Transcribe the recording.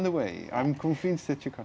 saya yakin jakarta sedang berjalan